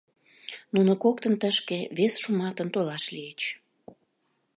Нуно коктын тышке вес шуматын толаш лийыч.